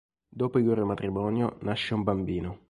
Dopo il loro matrimonio, nasce un bambino.